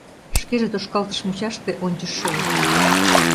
Шкеже тошкалтыш мучаште ончышт шогылтын.